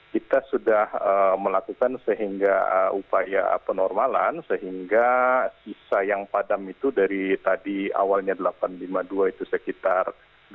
kita sudah melakukan sehingga upaya penormalan sehingga sisa yang padam itu dari tadi awalnya delapan ratus lima puluh dua itu sekitar dua ratus